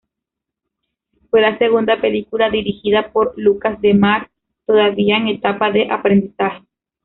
Fue la segunda película dirigida por Lucas Demare, todavía en etapa de aprendizaje.